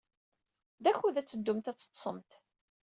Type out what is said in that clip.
D akud ad teddumt ad teḍḍsemt.